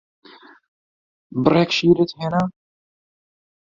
بڕێک شیرت هێنا؟